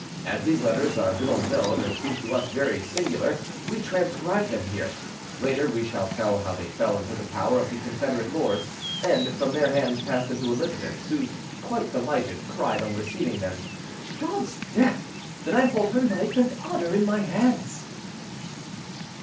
As these letters are little known, and seem to us very singular we transcribe them here; later we shall tell how they fell into the power of the Confederate lords, and from their hands passed into Elizabeth's, who, quite delighted, cried on receiving them, "God's death, then I hold her life and honour in my hands!"